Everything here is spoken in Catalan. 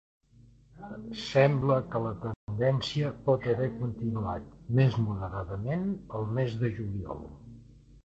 Sembla que la tendència pot haver continuat, més moderadament, el mes de juliol.